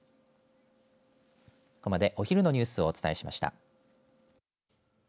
ここまでお昼のニュースをお伝えしました。